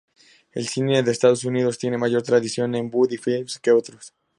El cine de Estados Unidos tiene mayor tradición en Buddy films que otros.